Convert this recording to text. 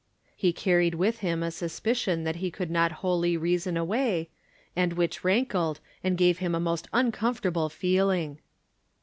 He carried with him a suspicion that he could not wholly reason away, and which rankled and gave him a most uncomfortable feeling.